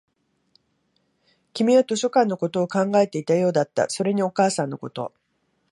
君は図書館のことを考えていたようだった、それにお母さんのこと